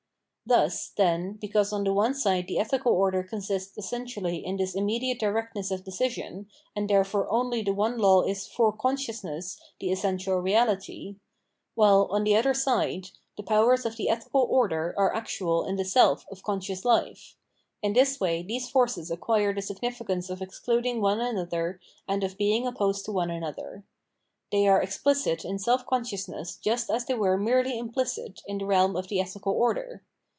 Thus, then, because on the one side the ethical order consists essentially in this finme^ate directness 462 Themrmnology of Mind of decision, and therefore only the one law is for cm sdousness the essential reality ; while, on the other side, the powers of the ethical order are actual in the self of conscious life, — in this way these forces acquire the significance of excluding one another and of being opposed to one another. They are explicit in self consciousness just as they were merely implicit in the realm of the ethical order.